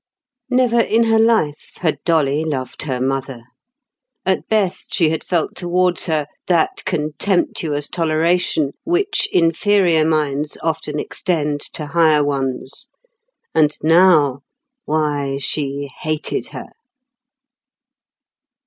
Never in her life had Dolly loved her mother. At best, she had felt towards her that contemptuous toleration which inferior minds often extend to higher ones. And now—why, she hated her.